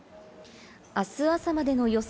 あす朝までの予想